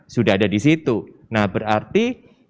sudah ada di situ nah berarti